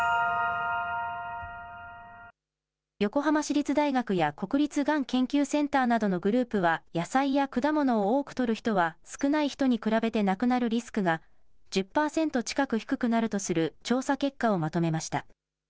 横浜市立大学や国立がん研究センターなどのグループは、野菜や果物を多くとる人は、少ない人に比べて亡くなるリスクが１０％近く低くなるとする調査結果をまとめました。